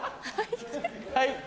はい？